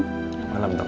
selamat malam dong